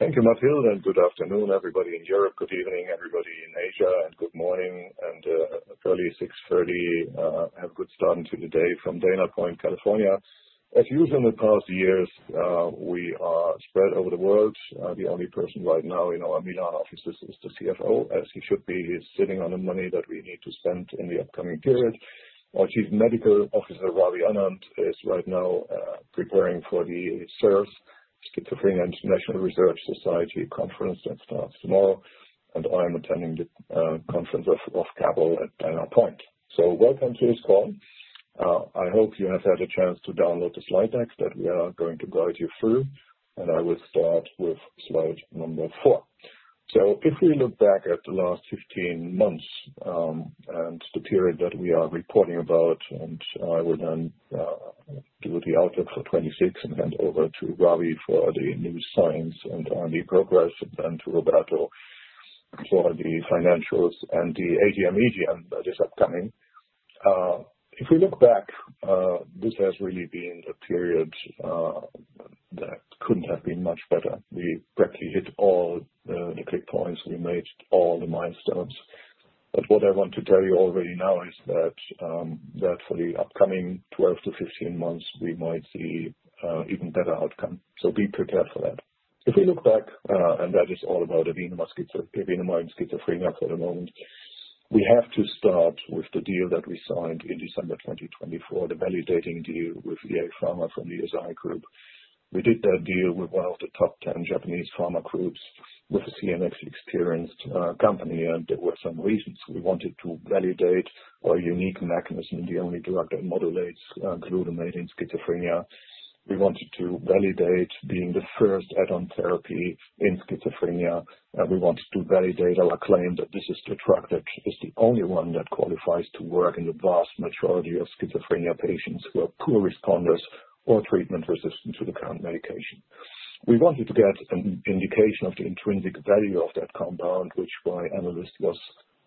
Thank you, Matthew, and good afternoon, everybody in Europe. Good evening, everybody in Asia, and good morning and early 6:30 A.M., have a good start into the day from Dana Point, California. As usual in the past years, we are spread over the world. The only person right now in our Milan offices is the CFO, as he should be. He is sitting on the money that we need to spend in the upcoming period. Our Chief Medical Officer, Ravi Anand, is right now preparing for the SIRS, Schizophrenia International Research Society Conference that starts tomorrow. I am attending the Capital Link conference at Dana Point. Welcome to this call. I hope you have had a chance to download the slide deck that we are going to guide you through. I will start with slide number four. If we look back at the last 15 months, the period that we are reporting about, I will then do the outlook for 2026 and hand over to Ravi for the new signs and on the progress, and then to Roberto for the financials and the AGM meeting that is upcoming. If we look back, this has really been a period that couldn't have been much better. We practically hit all the click points. We made all the milestones. What I want to tell you already now is that for the upcoming 12 to 15 months, we might see even better outcome. Be prepared for that. If we look back, that is all about evenamide schizophrenia for the moment, we have to start with the deal that we signed in December 2024, the validating deal with EA Pharma from the Eisai group. We did that deal with one of the top 10 Japanese pharma groups with a CMX-experienced company. There were some reasons. We wanted to validate our unique mechanism, the only drug that modulates glutamate in schizophrenia. We wanted to validate being the first add-on therapy in schizophrenia. We wanted to validate our claim that this is the drug that is the only one that qualifies to work in the vast majority of schizophrenia patients who are poor responders or treatment-resistant to the current medication. We wanted to get an indication of the intrinsic value of that compound, which by analysts was,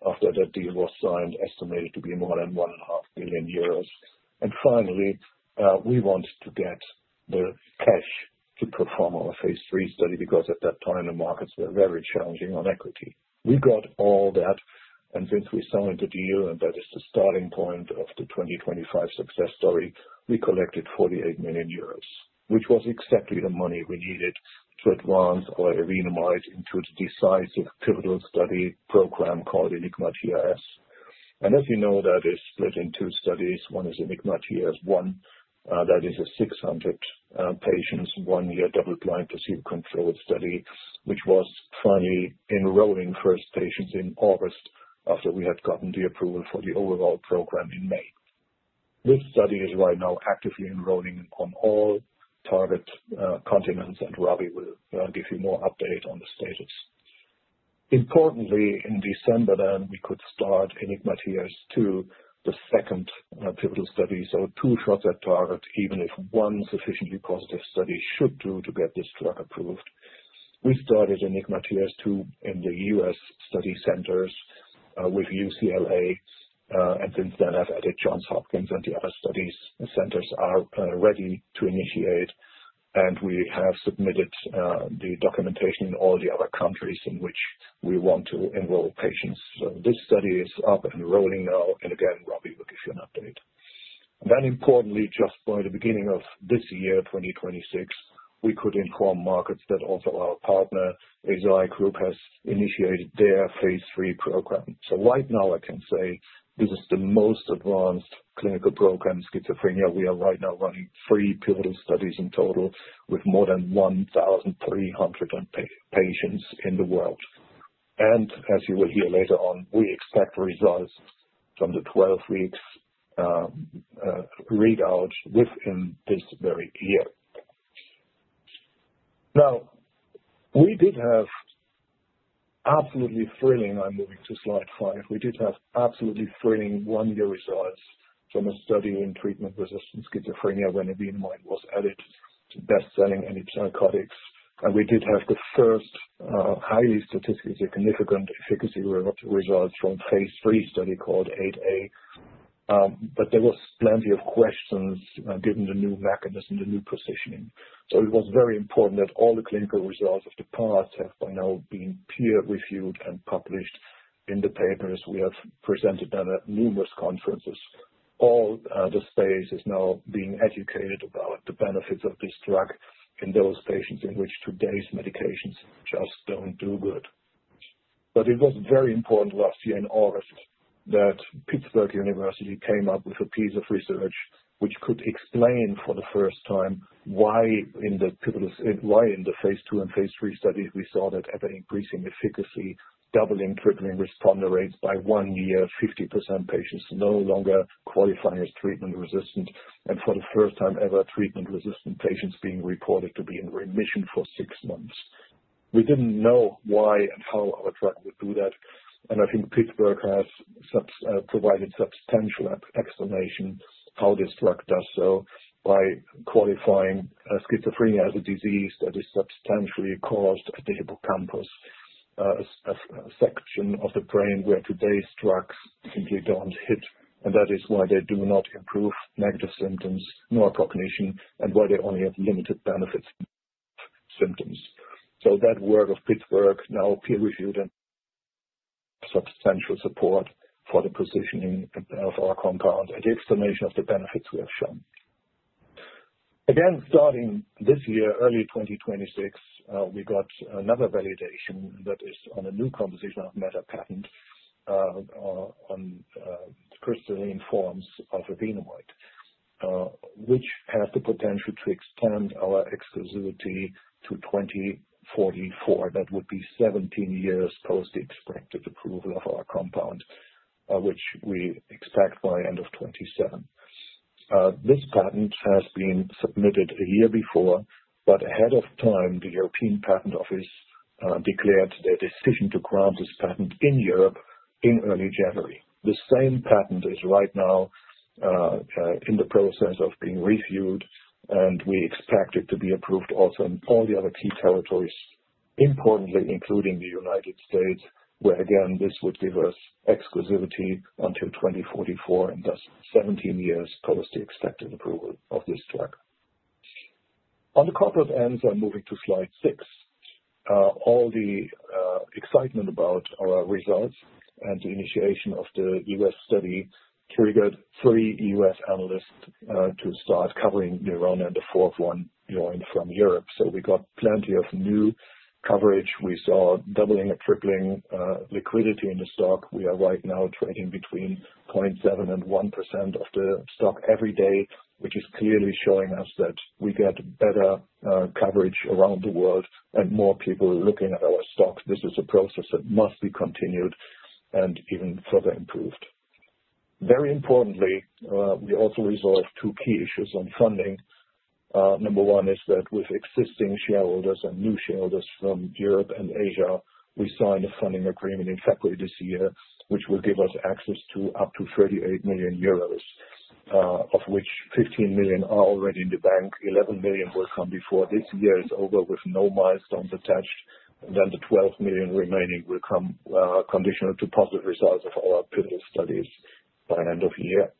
after that deal was signed, estimated to be more than one and a half billion euros. Finally, we wanted to get the cash to perform our phase III study because at that time, the markets were very challenging on equity. We got all that. Since we signed the deal, that is the starting point of the 2025 success story, we collected 48 million euros, which was exactly the money we needed to advance our evenamide into the decisive pivotal study program called ENIGMA-TRS. As you know, that is split in two studies. One is ENIGMA-TRS 1, that is a 600 patients, one-year double-blind placebo-controlled study, which was finally enrolling first patients in August after we had gotten the approval for the overall program in May. This study is right now actively enrolling on all target continents, and Ravi will give you more update on the status. Importantly, in December, we could start ENIGMA-TRS 2, the second pivotal study. Two shots at target, even if one sufficiently positive study should do to get this drug approved. We started ENIGMA-TRS 2 in the U.S. study centers, with UCLA, and since then have added Johns Hopkins and the other studies centers are ready to initiate. We have submitted the documentation in all the other countries in which we want to enroll patients. This study is up and rolling now, and again, Ravi will give you an update. Importantly, just by the beginning of this year, 2026, we could inform markets that also our partner, Eisai, has initiated their phase III program. Right now I can say this is the most advanced clinical program schizophrenia. We are right now running three pivotal studies in total with more than 1,300 patients in the world. As you will hear later on, we expect results from the 12 weeks readout within this very year. We did have absolutely thrilling, I'm moving to slide five, we did have absolutely thrilling one-year results from a study in treatment-resistant schizophrenia when evenamide was added to best-selling antipsychotics. We did have the first highly statistically significant efficacy results from phase III study called 008A. There was plenty of questions given the new mechanism, the new positioning. It was very important that all the clinical results of the past have by now been peer-reviewed and published in the papers. We have presented them at numerous conferences. All the space is now being educated about the benefits of this drug in those patients in which today's medications just don't do good. It was very important last year in August that University of Pittsburgh came up with a piece of research which could explain for the first time why in the phase II and phase III studies we saw that ever-increasing efficacy, doubling treatment responder rates by one year, 50% patients no longer qualify as treatment-resistant, and for the first time ever, treatment-resistant patients being reported to be in remission for six months. We didn't know why and how our drug would do that, and I think University of Pittsburgh has provided substantial explanation how this drug does so by qualifying schizophrenia as a disease that is substantially caused at the hippocampus where today's drugs simply don't hit, and that is why they do not improve negative symptoms, nor cognition, and why they only have limited benefits symptoms. That work of Pittsburgh, now peer-reviewed and substantial support for the positioning of our compound and the explanation of the benefits we have shown. Again, starting this year, early 2026, we got another validation that is on a new composition of matter patent on the crystalline forms of evenamide, which has the potential to extend our exclusivity to 2044. That would be 17 years post expected approval of our compound, which we expect by end of 2027. Ahead of time, the European Patent Office declared their decision to grant this patent in Europe in early January. The same patent is right now in the process of being reviewed, and we expect it to be approved also in all the other key territories, importantly, including the U.S., where again, this would give us exclusivity until 2044, and thus 17 years post the expected approval of this drug. On the corporate ends, I'm moving to slide six. All the excitement about our results and the initiation of the U.S. study triggered three U.S. analysts to start covering Newron and the fourth one joined from Europe. We got plenty of new coverage. We saw doubling or tripling liquidity in the stock. We are right now trading between 0.7 and 1% of the stock every day, which is clearly showing us that we get better coverage around the world and more people are looking at our stock. This is a process that must be continued and even further improved. Very importantly, we also resolved two key issues on funding. Number one is that with existing shareholders and new shareholders from Europe and Asia, we signed a funding agreement in February this year, which will give us access to up to 38 million euros, of which 15 million are already in the bank, 11 million will come before this year is over with no milestones attached, and the 12 million remaining will come conditional to positive results of all our pivotal studies by end of year.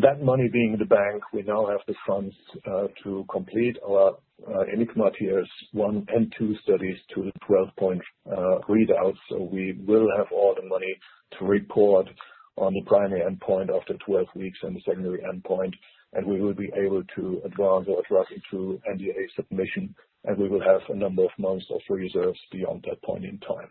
That money being in the bank, we now have the funds to complete our ENIGMA-TRS 1 and 2 studies to the 12-point readouts. We will have all the money to report on the primary endpoint after 12 weeks and the secondary endpoint, and we will be able to advance our drug into NDA submission, and we will have a number of months of reserves beyond that point in time.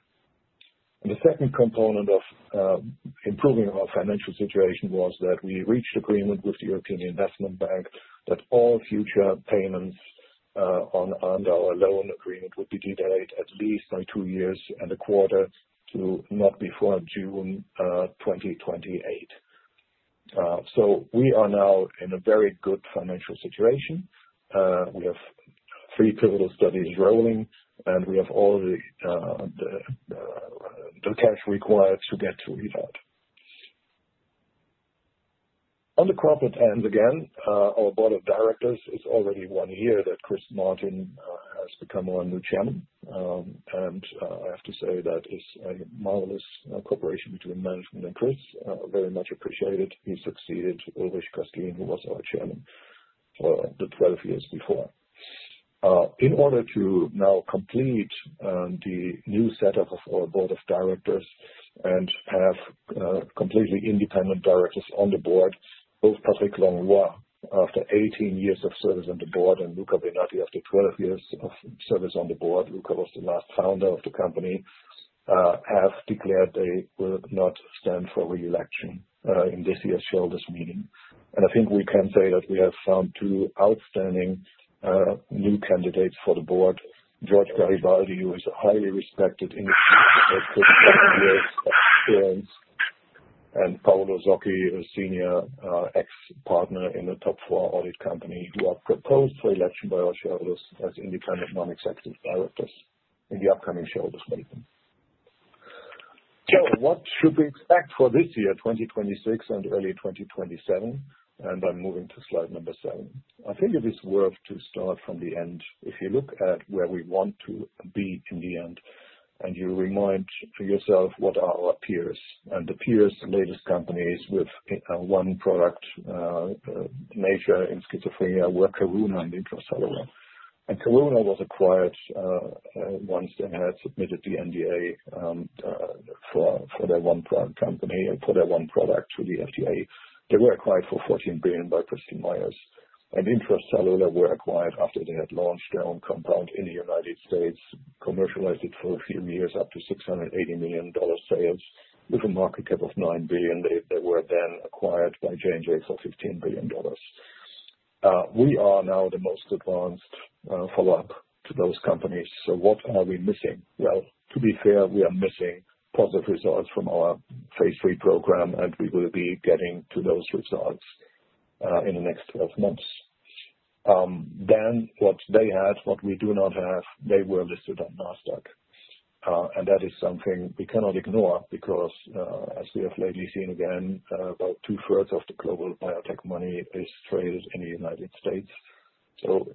The second component of improving our financial situation was that we reached agreement with the European Investment Bank that all future payments under our loan agreement would be delayed at least by two years and a quarter to not before June 2028. We are now in a very good financial situation. We have three pivotal studies rolling, and we have all the cash required to get to read out. On the corporate ends again, our Board of Directors, it's already one year that Chris Martin has become our new Chairman. I have to say that it's a marvelous cooperation between management and Chris, very much appreciated. He succeeded Ulrich Köstlin, who was our Chairman for the 12 years before. In order to now complete the new set up of our Board of Directors and have completely independent directors on the board, both Patrick Langlois, after 18 years of service on the board, and Luca Benatti after 12 years of service on the board, Luca was the last founder of the company, have declared they will not stand for re-election in this year's shareholders' meeting. I think we can say that we have found two outstanding new candidates for the board, George Garibaldi, who is a highly respected individual with years of experience, and Paolo Zocchi, a senior ex-partner in a top four audit company, who are proposed for election by our shareholders as independent non-executive directors in the upcoming shareholders meeting. What should we expect for this year, 2026 and early 2027? I am moving to slide number seven. I think it is worth to start from the end. If you look at where we want to be in the end, and you remind for yourself what are our peers. The peers, latest companies with one product, major in schizophrenia, were Karuna and Intra-Cellular. Karuna was acquired once they had submitted the NDA for their one-product company or for their one product to the FDA. They were acquired for $14 billion by Bristol Myers. Intra-Cellular were acquired after they had launched their own compound in the United States, commercialized it for a few years up to $680 million sales. With a market cap of $9 billion, they were then acquired by J&J for $15 billion. We are now the most advanced follow-up to those companies. What are we missing? Well, to be fair, we are missing positive results from our phase III program, and we will be getting to those results in the next 12 months. What they had, what we do not have, they were listed on NASDAQ. That is something we cannot ignore because, as we have lately seen again, about two-thirds of the global biotech money is traded in the United States.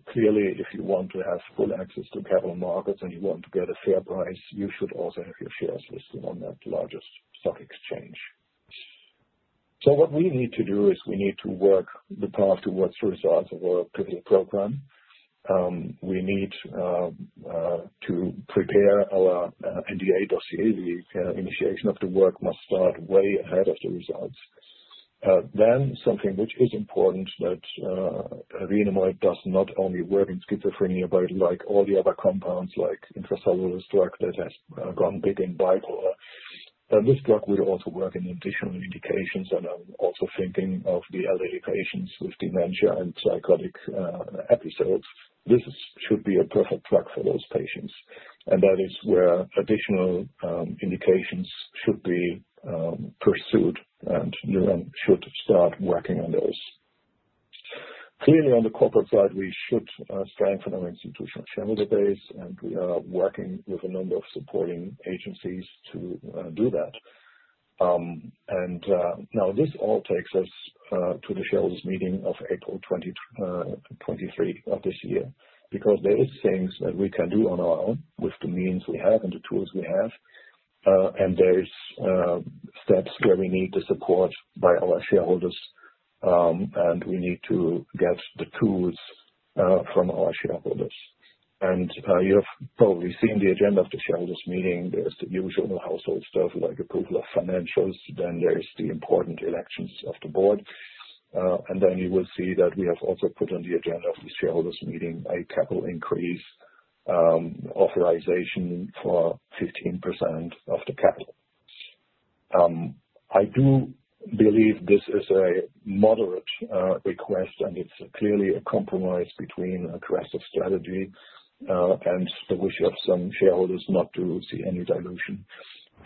Clearly, if you want to have full access to capital markets and you want to get a fair price, you should also have your shares listed on that largest stock exchange. What we need to do is we need to work the path towards results of our clinical program. We need to prepare our NDA dossier. The initiation of the work must start way ahead of the results. Something which is important, that evenamide does not only work in schizophrenia, but like all the other compounds, like Intra-Cellular's drug that has gone big in bipolar, this drug would also work in additional indications and I am also thinking of the elderly patients with dementia and psychotic episodes. This should be a perfect drug for those patients, and that is where additional indications should be pursued and Newron should start working on those. Clearly, on the corporate side, we should strengthen our institutional shareholder base and we are working with a number of supporting agencies to do that. This all takes us to the shareholders' meeting of April 2026 of this year, because there is things that we can do on our own with the means we have and the tools we have, and there is steps where we need the support by our shareholders, and we need to get the tools from our shareholders. You have probably seen the agenda of the shareholders' meeting. There is the usual household stuff like approval of financials, there is the important elections of the board. You will see that we have also put on the agenda of the shareholders' meeting a capital increase authorization for 15% of the capital. I do believe this is a moderate request, it's clearly a compromise between aggressive strategy and the wish of some shareholders not to see any dilution.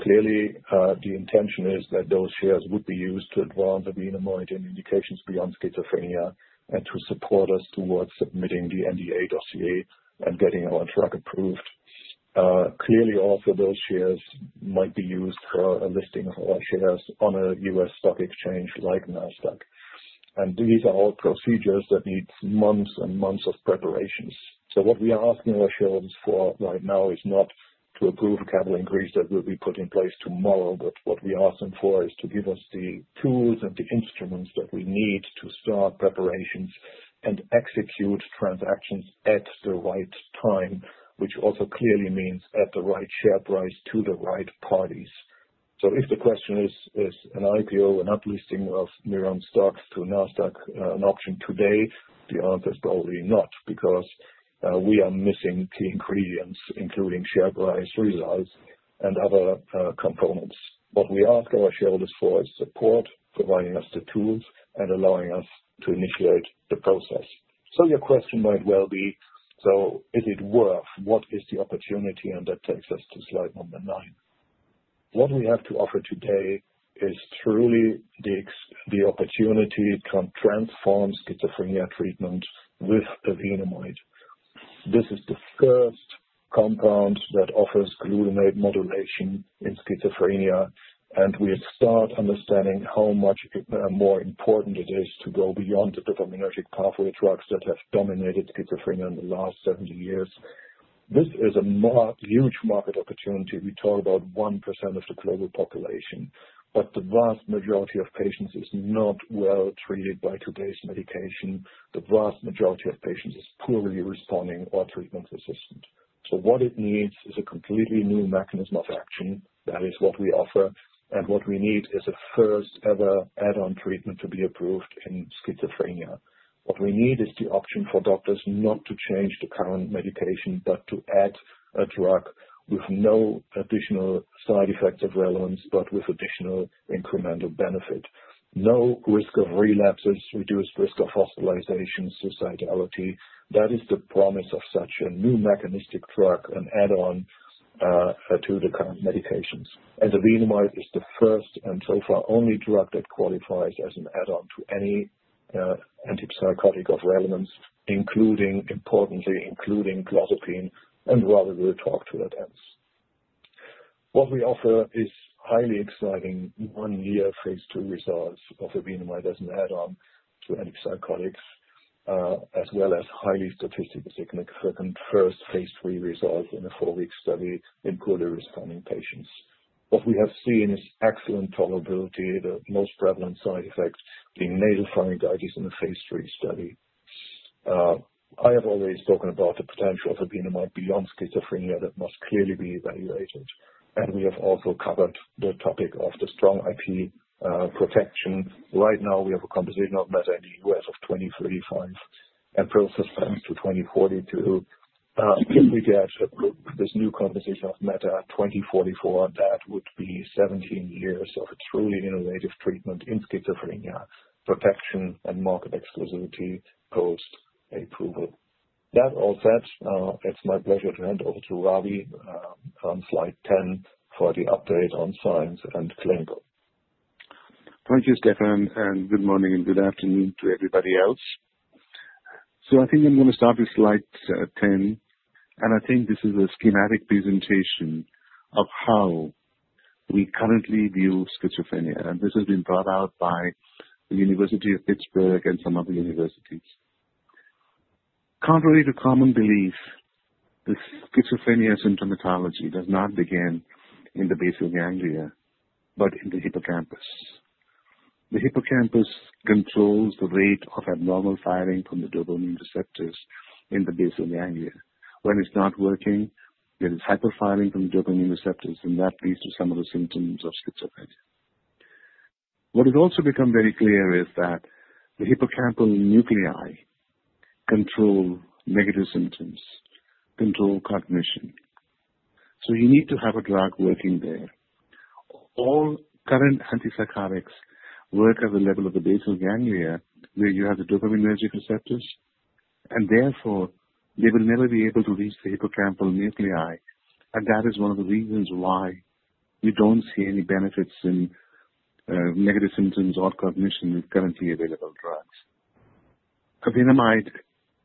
Clearly, the intention is that those shares would be used to advance evenamide in indications beyond schizophrenia and to support us towards submitting the NDA dossier and getting our drug approved. Clearly, also, those shares might be used for a listing of our shares on a U.S. stock exchange like NASDAQ. These are all procedures that need months and months of preparations. What we are asking our shareholders for right now is not to approve capital increase that will be put in place tomorrow, but what we ask them for is to give us the tools and the instruments that we need to start preparations and execute transactions at the right time, which also clearly means at the right share price to the right parties. If the question is an IPO, an up-listing of Newron stocks to NASDAQ an option today? The answer is probably not because we are missing key ingredients, including share price, results, and other components. What we ask our shareholders for is support, providing us the tools and allowing us to initiate the process. Your question might well be, is it worth? What is the opportunity? That takes us to slide number nine. What we have to offer today is truly the opportunity to transform schizophrenia treatment with evenamide. This is the first compound that offers glutamate modulation in schizophrenia, we start understanding how much more important it is to go beyond the dopaminergic pathway drugs that have dominated schizophrenia in the last 70 years. This is a huge market opportunity. We talk about 1% of the global population, but the vast majority of patients is not well-treated by today's medication. The vast majority of patients is poorly responding or treatment-resistant. What it needs is a completely new mechanism of action. That is what we offer and what we need is a first-ever add-on treatment to be approved in schizophrenia. What we need is the option for doctors not to change the current medication, but to add a drug with no additional side effects of relevance, but with additional incremental benefit. No risk of relapses, reduced risk of hospitalization, suicidality. That is the promise of such a new mechanistic drug and add-on to the current medications. evenamide is the first, and so far, only drug that qualifies as an add-on to any antipsychotic of relevance, importantly, including clozapine and rather the TAAR1 attempts. What we offer is highly exciting one-year phase II results of evenamide as an add-on to antipsychotics, as well as highly statistically significant first phase III result in a four-week study in poor responding patients. What we have seen is excellent tolerability, the most prevalent side effects being nasopharyngitis in the phase III study. I have already spoken about the potential of evenamide beyond schizophrenia that must clearly be evaluated, we have also covered the topic of the strong IP protection. Right now, we have a composition of matter in the U.S. of 2035 and process patent to 2042. If we get this new composition of matter 2044, that would be 17 years of a truly innovative treatment in schizophrenia protection and market exclusivity post-approval. That all said, it's my pleasure to hand over to Ravi on slide 10 for the update on science and clinical. Thank you, Stefan, good morning and good afternoon to everybody else. I think I'm going to start with slide 10. I think this is a schematic presentation of how we currently view schizophrenia. This has been brought out by the University of Pittsburgh and some other universities. Contrary to common belief, the schizophrenia symptomatology does not begin in the basal ganglia, but in the hippocampus. The hippocampus controls the rate of abnormal firing from the dopamine receptors in the basal ganglia. When it's not working, there is hyperfiring from the dopamine receptors, and that leads to some of the symptoms of schizophrenia. What has also become very clear is that the hippocampal nuclei control negative symptoms, control cognition. You need to have a drug working there. All current antipsychotics work at the level of the basal ganglia, where you have the dopaminergic receptors. Therefore, they will never be able to reach the hippocampal nuclei. That is one of the reasons why we don't see any benefits in negative symptoms or cognition with currently available drugs. Evenamide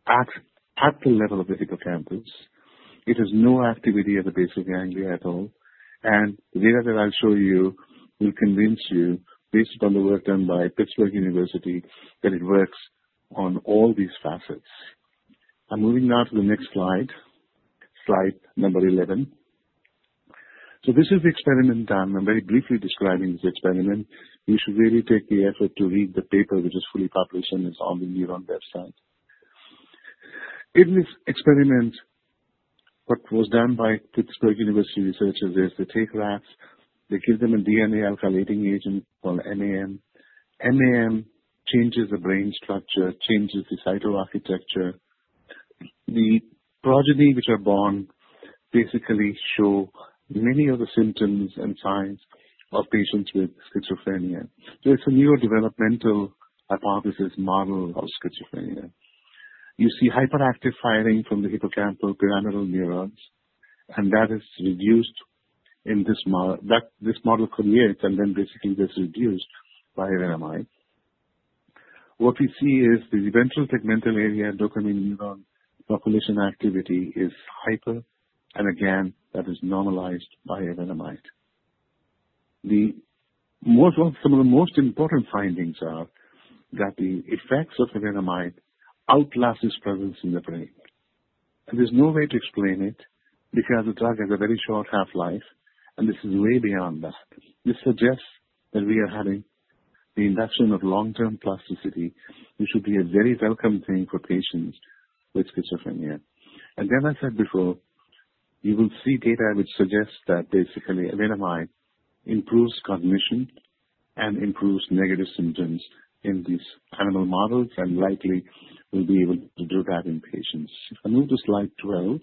acts at the level of the hippocampus. It has no activity at the basal ganglia at all. The data that I'll show you will convince you, based on the work done by University of Pittsburgh, that it works on all these facets. I'm moving now to the next slide number 11. This is the experiment done. I'm very briefly describing this experiment. You should really take the effort to read the paper, which is fully published and is on the Newron website. In this experiment, what was done by University of Pittsburgh researchers is they take rats, they give them a DNA alkylating agent called MAM. MAM changes the brain structure, changes the cytoarchitecture. The progeny, which are born, basically show many of the symptoms and signs of patients with schizophrenia. It's a neurodevelopmental hypothesis model of schizophrenia. You see hyperactive firing from the hippocampal pyramidal neurons, and that is reduced in this model. That this model creates and then basically gets reduced by evenamide. What we see is the ventral tegmental area dopamine neuron population activity is hyper, and again, that is normalized by evenamide. Some of the most important findings are that the effects of evenamide outlast its presence in the brain. There's no way to explain it because the drug has a very short half-life, and this is way beyond that. This suggests that we are having the induction of long-term plasticity, which should be a very welcome thing for patients with schizophrenia. Again, as I said before, you will see data which suggests that basically evenamide improves cognition and improves negative symptoms in these animal models and likely will be able to do that in patients. If I move to slide 12.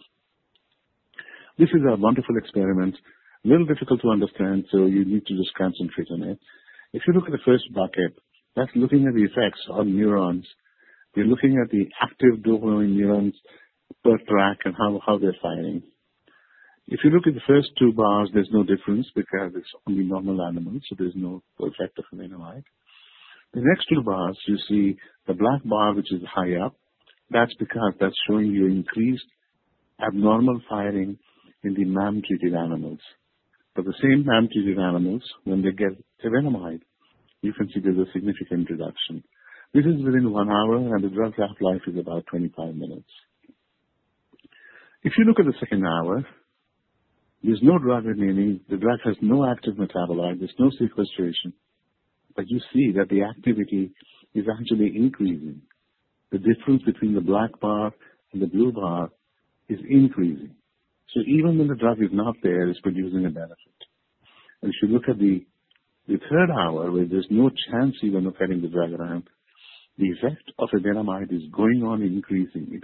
This is a wonderful experiment, a little difficult to understand, so you need to just concentrate on it. If you look at the first bucket, that's looking at the effects on neurons. We're looking at the active dopamine neurons per track and how they're firing. If you look at the first two bars, there's no difference because it's only normal animals, so there's no effect of evenamide. The next two bars, you see the black bar, which is high up. That's because that's showing you increased abnormal firing in the MAM-treated animals. The same MAM-treated animals, when they get evenamide, you can see there's a significant reduction. This is within one hour, and the drug half-life is about 25 minutes. If you look at the second hour, there's no drug, meaning the drug has no active metabolite. There's no sequestration. You see that the activity is actually increasing. The difference between the black bar and the blue bar is increasing. Even when the drug is not there, it's producing a benefit. If you look at the third hour, where there's no chance even of having the drug around, the effect of evenamide is going on increasing,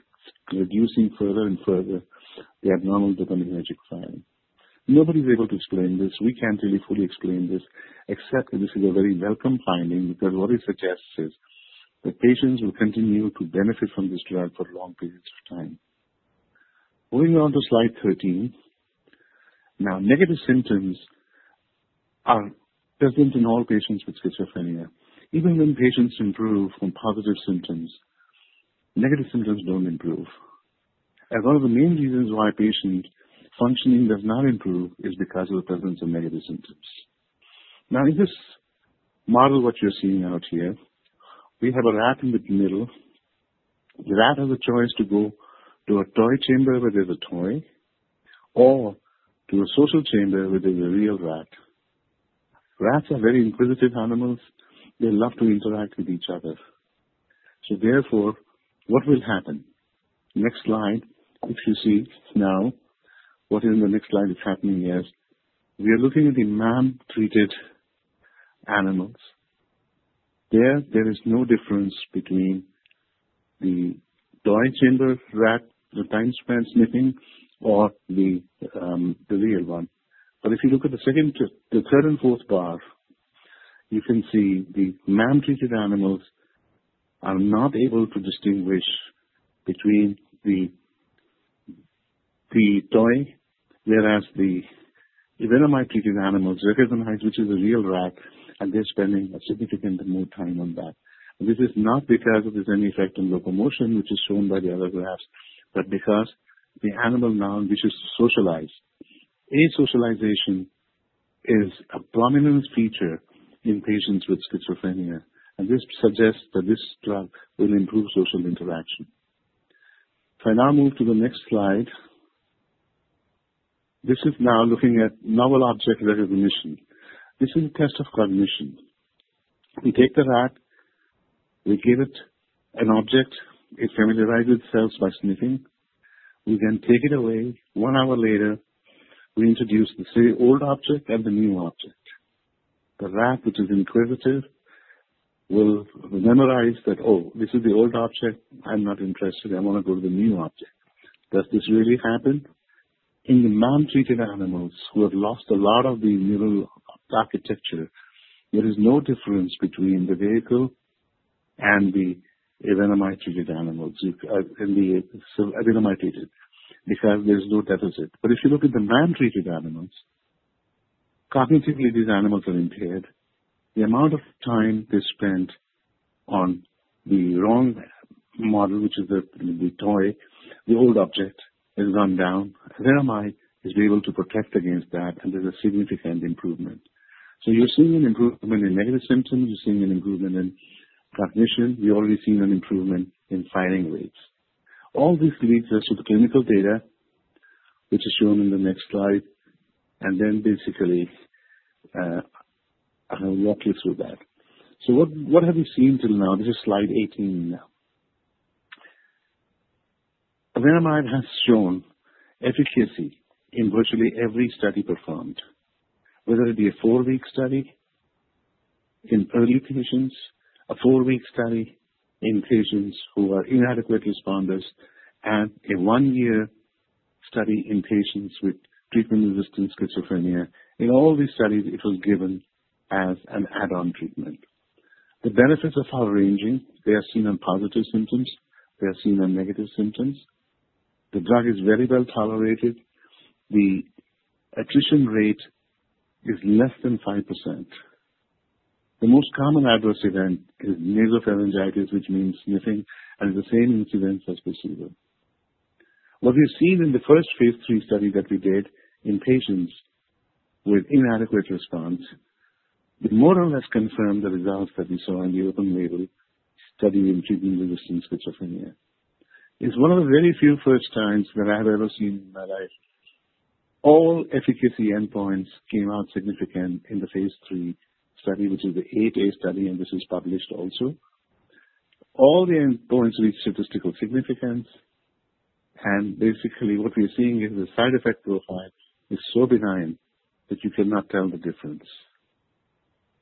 reducing further and further the abnormal dopaminergic firing. Nobody's able to explain this. We can't really fully explain this, except that this is a very welcome finding because what it suggests is that patients will continue to benefit from this drug for long periods of time. Moving on to slide 13. Negative symptoms are present in all patients with schizophrenia. Even when patients improve from positive symptoms, negative symptoms don't improve. One of the main reasons why patient functioning does not improve is because of the presence of negative symptoms. In this model, what you're seeing out here, we have a rat in the middle. The rat has a choice to go to a toy chamber where there's a toy or to a social chamber where there's a real rat. Rats are very inquisitive animals. They love to interact with each other. Therefore, what will happen? Next slide, which you see now. What in the next slide is happening is we are looking at the MAM-treated animals. There, there is no difference between the toy chamber rat, the time spent sniffing or the real one. If you look at the third and fourth bars, you can see the MAM-treated animals are not able to distinguish between the toy, whereas the evenamide-treated animals recognize which is a real rat, and they're spending significantly more time on that. This is not because of any effect on locomotion, which is shown by the other graphs, but because the animal now wishes to socialize. Asocialization is a prominent feature in patients with schizophrenia, this suggests that this drug will improve social interaction. If I now move to the next slide. This is now looking at novel object recognition. This is a test of cognition. We take the rat, we give it an object, it familiarizes itself by sniffing. We then take it away. One hour later, we introduce the old object and the new object. The rat, which is inquisitive, will memorize that, "Oh, this is the old object. I'm not interested. I want to go to the new object." Does this really happen? In the non-treated animals who have lost a lot of the neural architecture, there is no difference between the vehicle and the evenamide treated animals, because there's no deficit. If you look at the MAM-treated animals, cognitively, these animals are impaired. The amount of time they spent on the wrong model, which is the toy, the old object, has gone down. Evenamide is able to protect against that, and there's a significant improvement. You're seeing an improvement in negative symptoms, you're seeing an improvement in cognition. We've already seen an improvement in firing rates. This leads us to the clinical data, which is shown in the next slide. I'll walk you through that. What have we seen till now? This is slide 18 now. Evenamide has shown efficacy in virtually every study performed, whether it be a 4-week study in early patients, a 4-week study in patients who are inadequate responders, and a 1-year study in patients with treatment-resistant schizophrenia. In all these studies, it was given as an add-on treatment. The benefits are far-ranging. They are seen in positive symptoms. They are seen in negative symptoms. The drug is very well tolerated. The attrition rate is less than 5%. The most common adverse event is nasopharyngitis, which means sniffing, and the same incidence as placebo. What we've seen in the first phase III study that we did in patients with inadequate response more or less confirmed the results that we saw in the open-label study in treatment-resistant schizophrenia. It's one of the very few first times that I have ever seen in my life all efficacy endpoints came out significant in the phase III study, which is the ADA study. This is published also. All the endpoints reached statistical significance. What we're seeing is the side effect profile is so benign that you cannot tell the difference.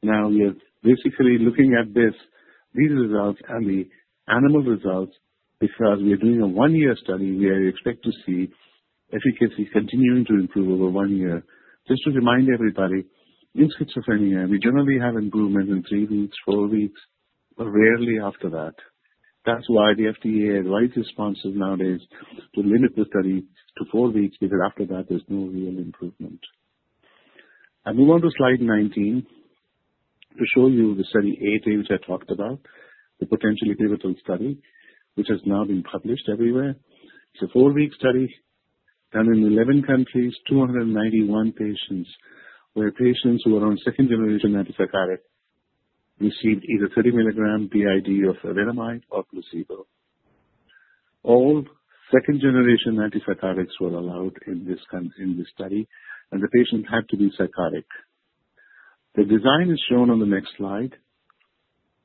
We are basically looking at this, these results and the animal results because we are doing a 1-year study. We expect to see efficacy continuing to improve over 1 year. Just to remind everybody, in schizophrenia, we generally have improvement in 3 weeks, 4 weeks, but rarely after that. That's why the FDA likes responses nowadays to limit the study to 4 weeks because after that, there's no real improvement. I move on to slide 19 to show you the study ADA, which I talked about, the potentially pivotal study, which has now been published everywhere. It's a 4-week study done in 11 countries, 291 patients, where patients who are on second-generation antipsychotic received either 30 milligrams BID of evenamide or placebo. All second-generation antipsychotics were allowed in this study. The patient had to be psychotic. The design is shown on the next slide.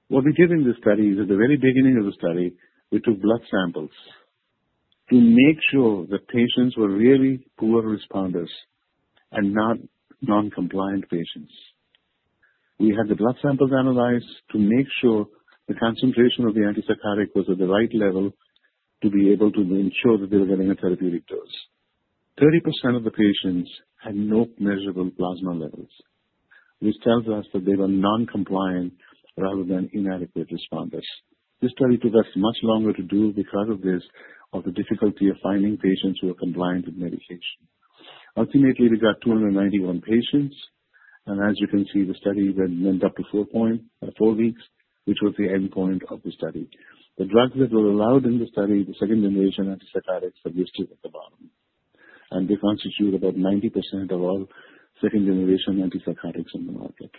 What we did in this study is at the very beginning of the study, we took blood samples to make sure the patients were really poor responders and not non-compliant patients. We had the blood samples analyzed to make sure the concentration of the antipsychotic was at the right level to be able to ensure that they were getting a therapeutic dose. 30% of the patients had no measurable plasma levels, which tells us that they were non-compliant rather than inadequate responders. This study took us much longer to do because of this, of the difficulty of finding patients who are compliant with medication. Ultimately, we got 291 patients, and as you can see, the study went up to four weeks, which was the endpoint of the study. The drugs that were allowed in the study, the second-generation antipsychotics, are listed at the bottom, and they constitute about 90% of all second-generation antipsychotics in the market.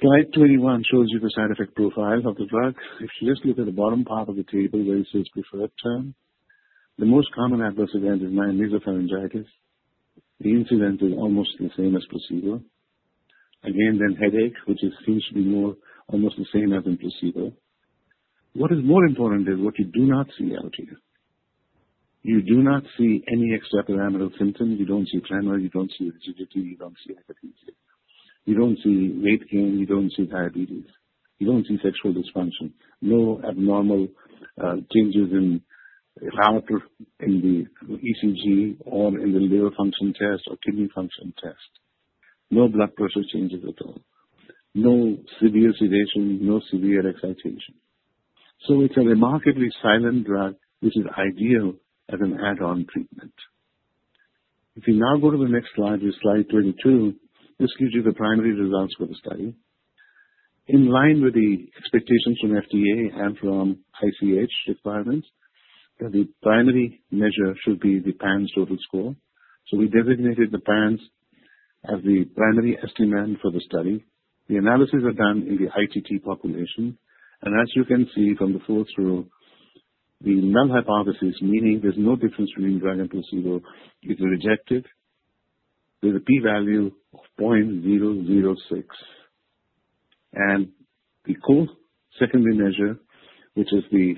Slide 21 shows you the side effect profile of the drug. If you just look at the bottom part of the table where it says preferred term, the most common adverse event is nasopharyngitis. The incident is almost the same as placebo. Again, then headache, which seems to be almost the same as in placebo. What is more important is what you do not see out here. You do not see any extrapyramidal symptoms. You don't see tremor, you don't see akathisia, you don't see hyperkinesia. You don't see weight gain. You don't see diabetes. You don't see sexual dysfunction. No abnormal changes in the ECG or in the liver function test or kidney function test. No blood pressure changes at all. No severe sedation, no severe excitation. So it's a remarkably silent drug, which is ideal as an add-on treatment. If you now go to the next slide, which is slide 22, this gives you the primary results for the study. In line with the expectations from FDA and from ICH requirements, the primary measure should be the PANSS total score. So we designated the PANSS as the primary estimate for the study. The analysis are done in the ITT population. As you can see from the fourth row, the null hypothesis, meaning there's no difference between drug and placebo, is rejected with a p-value of 0.006. The core secondary measure, which is the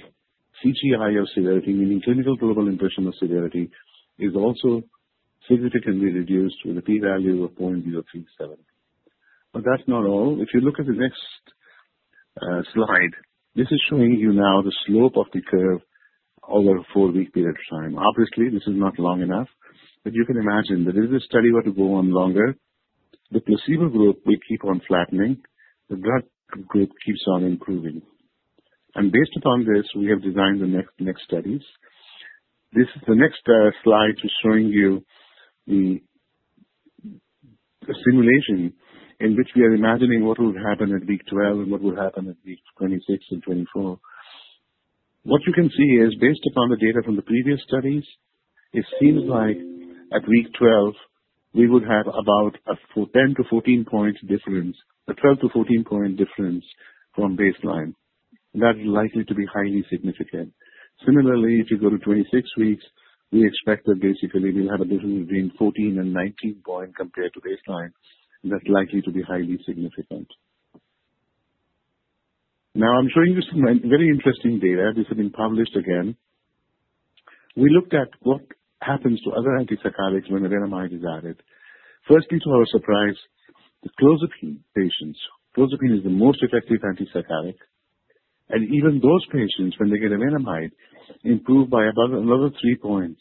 CGI of severity, meaning clinical global impression of severity, is also significantly reduced with a p-value of 0.037. That's not all. If you look at the next slide, this is showing you now the slope of the curve over a four-week period of time. Obviously, this is not long enough, but you can imagine that if this study were to go on longer, the placebo group will keep on flattening, the drug group keeps on improving. Based upon this, we have designed the next studies. The next slide is showing you the simulation in which we are imagining what would happen at week 12 and what would happen at week 26 and 24. What you can see is based upon the data from the previous studies, it seems like at week 12, we would have about a 10-14 point difference, a 12-14 point difference from baseline. That is likely to be highly significant. Similarly, if you go to 26 weeks, we expect that basically we'll have a difference between 14 and 19 points compared to baseline. That's likely to be highly significant. I'm showing you some very interesting data. This has been published again. We looked at what happens to other antipsychotics when evenamide is added. First, much to our surprise, the clozapine patients, clozapine is the most effective antipsychotic, and even those patients, when they get evenamide, improve by about another three points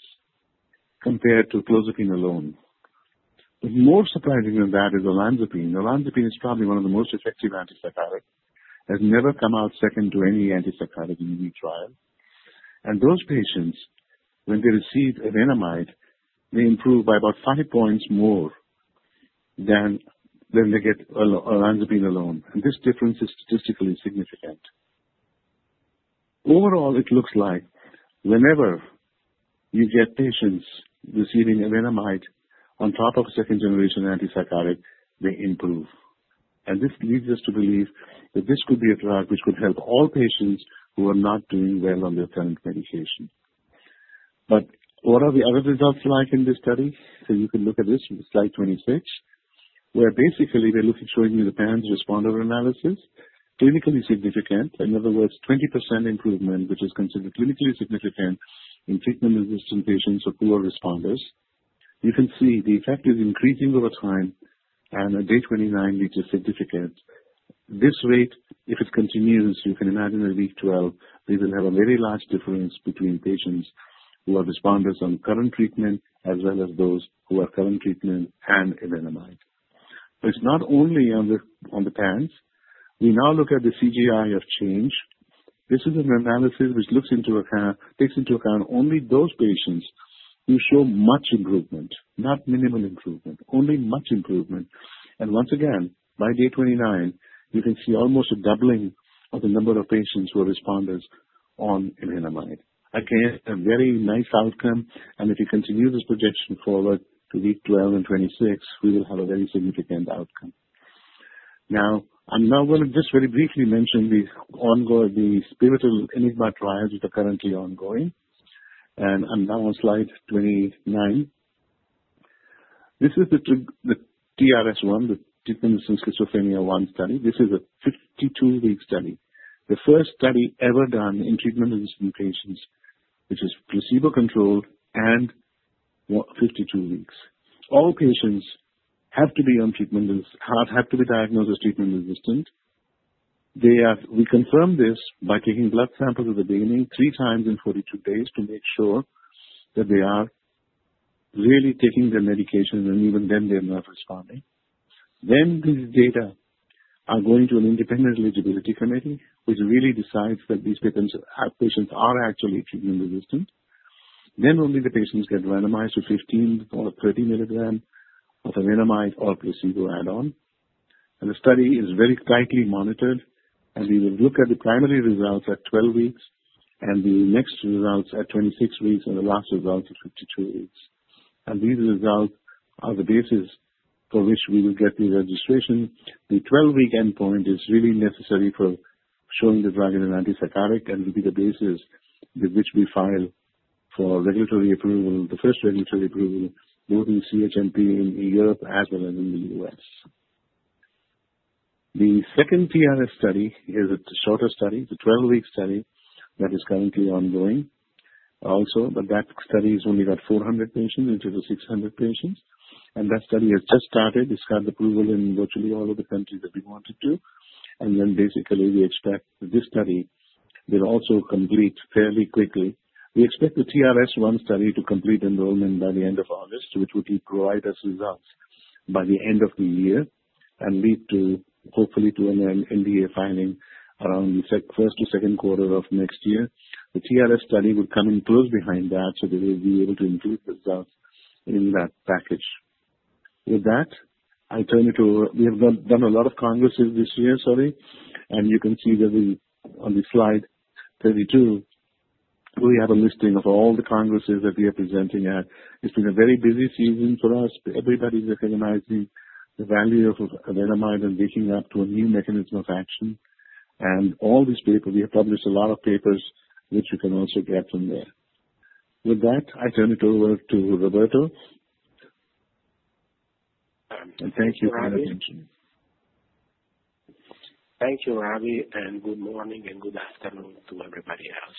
compared to clozapine alone. More surprising than that is olanzapine. Olanzapine is probably one of the most effective antipsychotics, has never come out second to any antipsychotic in any trial. Those patients, when they receive evenamide, they improve by about five points more than when they get olanzapine alone. This difference is statistically significant. Overall, it looks like whenever you get patients receiving evenamide on top of second-generation antipsychotic, they improve. This leads us to believe that this could be a drug which could help all patients who are not doing well on their current medication. What are the other results like in this study? You can look at this in slide 26, where basically, we're looking, showing you the PANSS responder analysis, clinically significant, in other words, 20% improvement, which is considered clinically significant in treatment-resistant patients or poor responders. You can see the effect is increasing over time, and at day 29, which is significant. This rate, if it continues, you can imagine at week 12, we will have a very large difference between patients who are responders on current treatment as well as those who have current treatment and evenamide. It's not only on the PANSS. We now look at the CGI of change. This is an analysis which takes into account only those patients who show much improvement, not minimal improvement, only much improvement. Once again, by day 29, you can see almost a doubling of the number of patients who are responders on evenamide. Again, a very nice outcome. If you continue this projection forward to week 12 and 26, we will have a very significant outcome. I'm now going to just very briefly mention the pivotal ENIGMA trials which are currently ongoing. I'm now on slide 29. This is the TRS-1, the treatment-resistant schizophrenia 1 study. This is a 52-week study. The first study ever done in treatment-resistant patients, which is placebo-controlled and 52 weeks. All patients have to be treatment-resistant, have to be diagnosed as treatment-resistant. We confirm this by taking blood samples at the beginning, three times in 42 days, to make sure that they are really taking their medication, and even then they're not responding. These data are going to an independent eligibility committee, which really decides that these patients are actually treatment-resistant. Only the patients get randomized to 15 or 30 milligrams of evenamide or a placebo add-on. The study is very tightly monitored, and we will look at the primary results at 12 weeks, and the next results at 26 weeks, and the last result at 52 weeks. These results are the basis for which we will get the registration. The 12-week endpoint is really necessary for showing the drug in an antipsychotic and will be the basis with which we file for regulatory approval, the first regulatory approval, both in CHMP in Europe as well as in the U.S. The second TRS study is a shorter study. It is a 12-week study that is currently ongoing also. That study's only got 400 patients into the 600 patients. That study has just started. It's got approval in virtually all of the countries that we want it to. Basically, we expect this study will also complete fairly quickly. We expect the TRS-1 study to complete enrollment by the end of August, which will provide us results by the end of the year and lead, hopefully, to an NDA filing around the first or second quarter of next year. The TRS study will come in close behind that. We will be able to include the results in that package. With that, I turn it over. We have done a lot of congresses this year, sorry. You can see that on slide 32, we have a listing of all the congresses that we are presenting at. It's been a very busy season for us. Everybody's recognizing the value of evenamide and waking up to a new mechanism of action. All these papers, we have published a lot of papers, which you can also get from there. With that, I turn it over to Roberto. Thank you for your attention. Thank you, Ravi, and good morning and good afternoon to everybody else.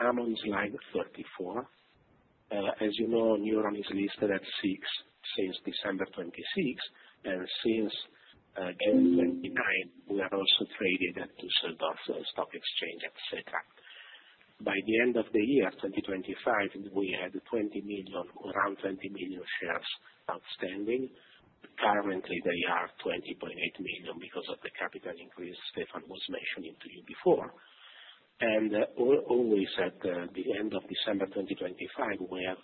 I am on slide 34. As you know, Newron is listed at SIX since December 26, and since June 29, we are also traded at the Düsseldorf Stock Exchange, XETRA. By the end of the year 2025, we had around 20 million shares outstanding. Currently, they are 20.8 million because of the capital increase Stefan was mentioning to you before. Always at the end of December 2025, we have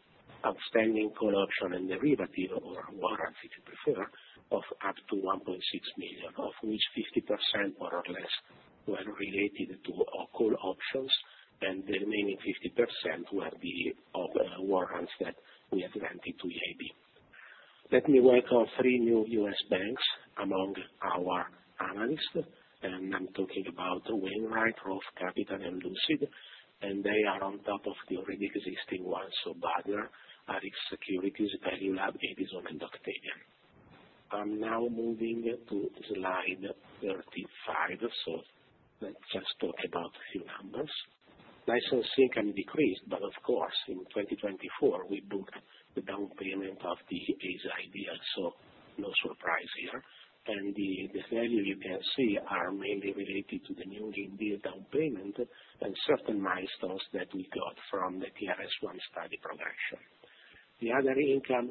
outstanding call option and derivative, or warrants, if you prefer, of up to 1.6 million, of which 50% or less were related to call options, and the remaining 50% were the warrants that we have granted to EIB. Let me welcome three new U.S. banks among our analysts, and I am talking about Wainwright, Roth Capital, and Lucid. They are on top of the already existing ones: Berenberg, B. Riley Securities, ValueLab, Edison, and Octavian. I am now moving to slide 35. Let us just talk about a few numbers. Licensing can decrease. Of course, in 2024, we booked the down payment of the EA Pharma deal. No surprise here. The value you can see are mainly related to the new deal down payment and certain milestones that we got from the TRS-1 study production. The other income,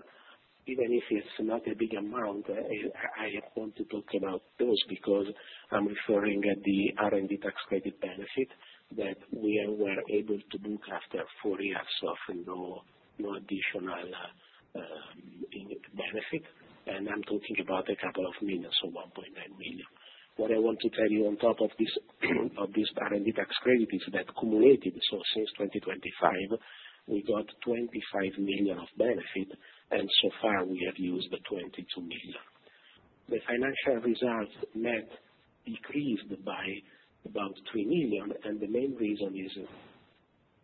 even if it is not a big amount, I want to talk about those because I am referring at the R&D tax credit benefit that we were able to book after four years of no additional benefit. I am talking about a couple of EUR millions, so 1.9 million. What I want to tell you on top of this, R&D tax credit is that cumulated, so since 2025, we got 25 million of benefit, and so far, we have used 22 million. The financial results net decreased by about 3 million, and the main reason is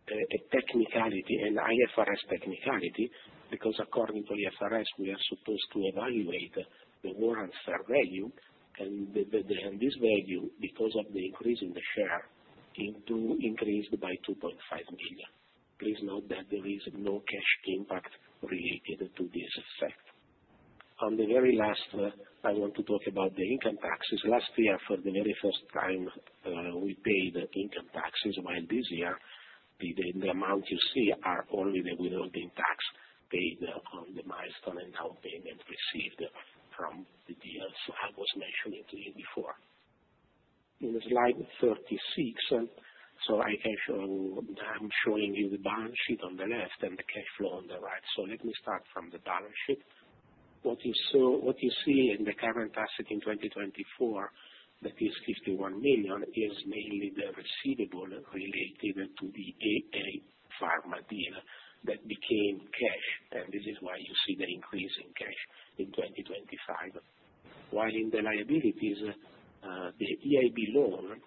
a technicality, an IFRS technicality, because according to IFRS, we are supposed to evaluate the warrant fair value and this value, because of the increase in the share, increased by 2.5 million. Please note that there is no cash impact related to this effect. I want to talk about the income taxes. Last year, for the very first time, we paid income taxes. This year, the amount you see are already without being tax paid on the milestone and down payment received from the deals I was mentioning to you before. In slide 36, I'm showing you the balance sheet on the left and the cash flow on the right. Let me start from the balance sheet. What you see in the current asset in 2024, that is 51 million, is mainly the receivable related to the EA Pharma deal that became cash, and this is why you see the increase in cash in 2025. In the liabilities, the EIB loan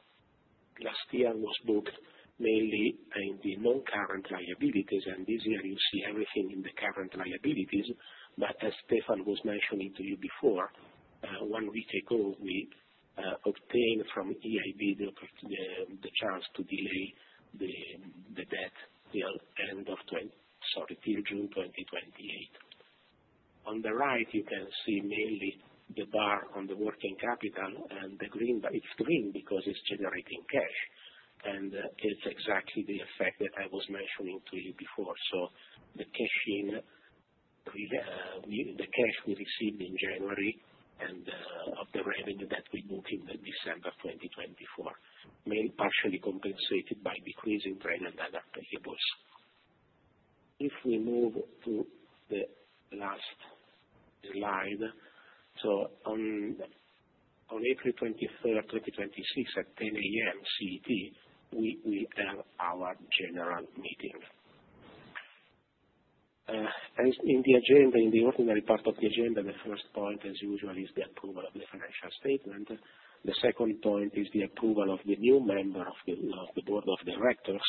last year was booked mainly in the non-current liabilities, and this year you see everything in the current liabilities. As Stefan was mentioning to you before, one week ago, we obtained from EIB the chance to delay the debt till June 2028. On the right, you can see mainly the bar on the working capital and the green bar. It's green because it's generating cash, and it's exactly the effect that I was mentioning to you before. The cash we received in January and of the revenue that we booked in the December 2024, mainly partially compensated by decrease in rent and other payables. If we move to the last slide. On April 23rd, 2026, at 10:00 A.M. CET, we will have our general meeting. In the ordinary part of the agenda, the first point, as usual, is the approval of the financial statement. The second point is the approval of the new member of the board of directors.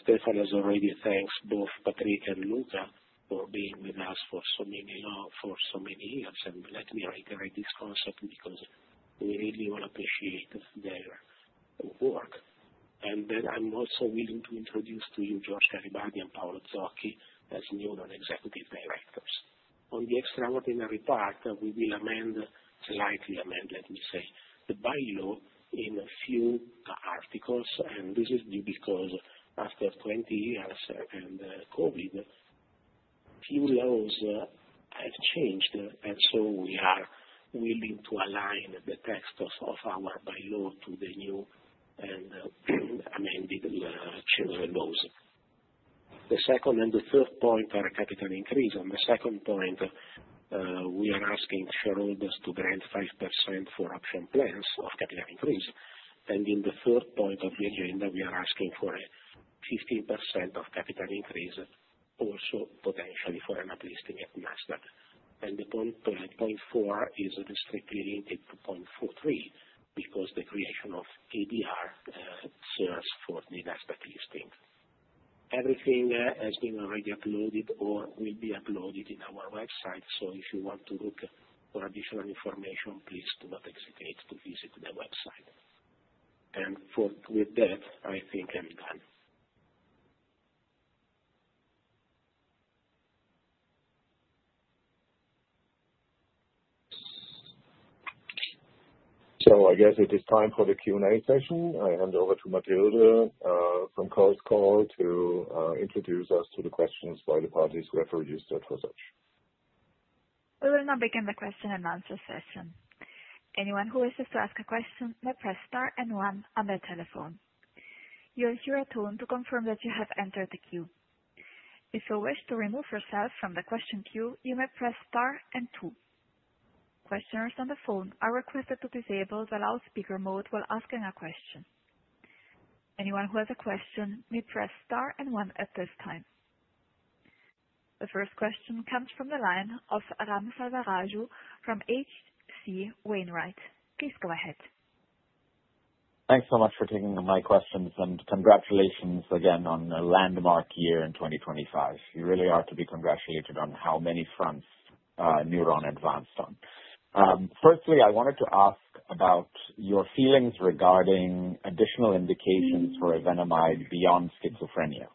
Stefan has already thanked both Patrick and Luca for being with us for so many years. Let me reiterate this concept because we really all appreciate their work. I'm also willing to introduce to you George Garibaldi and Paolo Zocchi as Newron non-executive directors. In the extraordinary part, we will slightly amend, let me say, the bylaw in a few articles, and this is due because after 20 years and COVID, few laws have changed, we are willing to align the text of our bylaw to the new and amended share laws. The second and third point are a capital increase. In the second point, we are asking shareholders to grant 5% for option plans of capital increase. In the third point of the agenda, we are asking for a 15% of capital increase also potentially for an uplisting at NASDAQ. The point four is strictly related to point four three because the creation of ADR serves for the NASDAQ listing. Everything has been already uploaded or will be uploaded in our website. If you want to look for additional information, please do not hesitate to visit the website. With that, I think I'm done. I guess it is time for the Q&A session. I hand over to Matilda from CallScore to introduce us to the questions by the parties who have registered for that. We will now begin the question and answer session. Anyone who wishes to ask a question may press star and one on their telephone. You will hear a tone to confirm that you have entered the queue. If you wish to remove yourself from the question queue, you may press star and two. Questioners on the phone are requested to disable the loudspeaker mode while asking a question. Anyone who has a question may press star and one at this time. The first question comes from the line of Ram Selvaraju from H.C. Wainwright. Please go ahead. Thanks so much for taking my questions, congratulations again on a landmark year in 2025. You really are to be congratulated on how many fronts Newron advanced on. Firstly, I wanted to ask about your feelings regarding additional indications for evenamide beyond schizophrenia.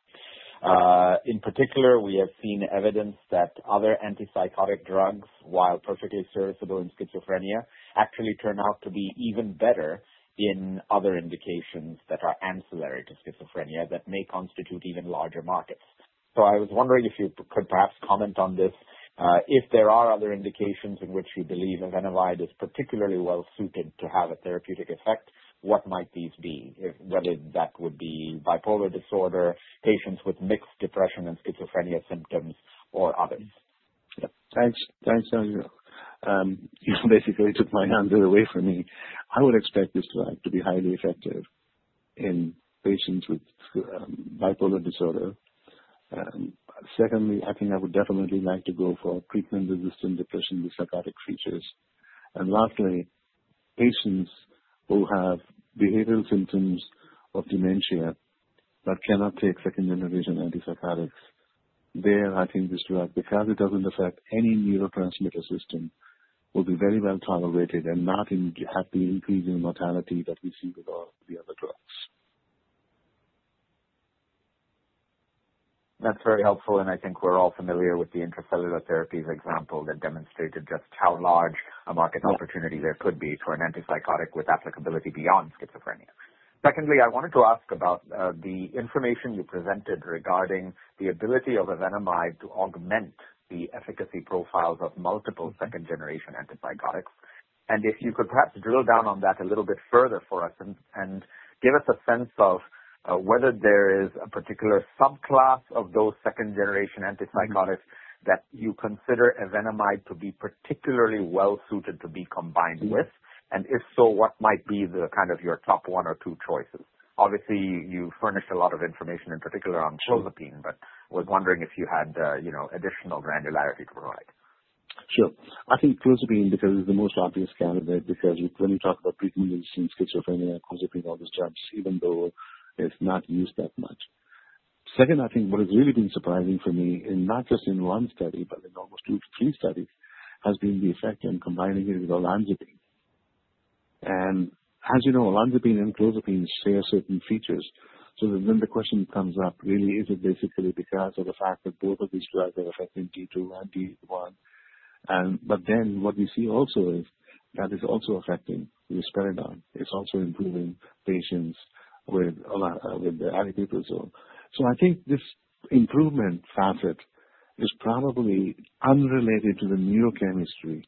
In particular, we have seen evidence that other antipsychotic drugs, while perfectly serviceable in schizophrenia, actually turn out to be even better in other indications that are ancillary to schizophrenia that may constitute even larger markets. I was wondering if you could perhaps comment on this. If there are other indications in which you believe evenamide is particularly well-suited to have a therapeutic effect, what might these be? Whether that would be bipolar disorder, patients with mixed depression and schizophrenia symptoms, or others. Yeah. Thanks. You basically took my answer away from me. I would expect this drug to be highly effective in patients with bipolar disorder. Secondly, I think I would definitely like to go for treatment-resistant depression with psychotic features. Lastly, patients who have behavioral symptoms of dementia but cannot take second-generation antipsychotics. There, I think this drug, because it doesn't affect any neurotransmitter system, will be very well-tolerated and not have the increasing mortality that we see with all the other drugs. That's very helpful, I think we're all familiar with the Intra-Cellular Therapies example that demonstrated just how large a market opportunity there could be for an antipsychotic with applicability beyond schizophrenia. Secondly, I wanted to ask about the information you presented regarding the ability of evenamide to augment the efficacy profiles of multiple second-generation antipsychotics. If you could perhaps drill down on that a little bit further for us and give us a sense of whether there is a particular subclass of those second-generation antipsychotics that you consider evenamide to be particularly well-suited to be combined with. If so, what might be your top one or two choices? Obviously, you furnished a lot of information, in particular on clozapine, but was wondering if you had additional granularity to provide. Sure. I think clozapine becomes the most obvious candidate because when you talk about treatment-resistant schizophrenia, clozapine always jumps, even though it's not used that much. Second, I think what has really been surprising for me, not just in one study, but in almost two to three studies, has been the effect in combining it with olanzapine. As you know, olanzapine and clozapine share certain features, the question comes up really is it basically because of the fact that both of these drugs are affecting D2 and D1. What we see also is that it's also affecting risperidone. It's also improving patients with aripiprazole. I think this improvement facet is probably unrelated to the neurochemistry.